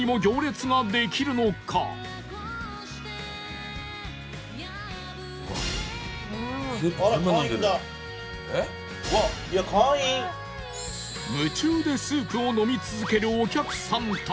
夢中でスープを飲み続けるお客さんたち